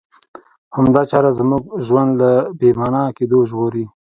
همدا چاره زموږ ژوند له بې مانا کېدو ژغوري.